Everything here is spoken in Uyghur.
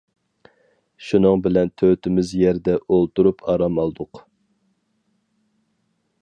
شۇنىڭ بىلەن تۆتىمىز يەردە ئولتۇرۇپ ئارام ئالدۇق.